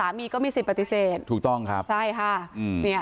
ก็มีสิทธิปฏิเสธถูกต้องครับใช่ค่ะอืมเนี่ย